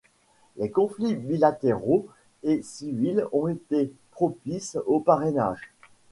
Les conflits bilatéraux et civils ont été propices au parrainage.